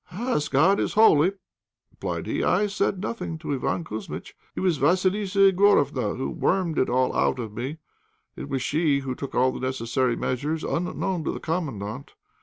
"As God is holy," replied he, "I said nothing to Iván Kouzmitch; it was Vassilissa Igorofna who wormed it all out of me. It was she who took all the necessary measures unknown to the Commandant.